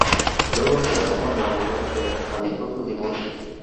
Luego se casa con el abogado que le tramitó su divorcio.